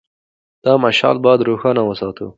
دا مشعل باید روښانه وساتو.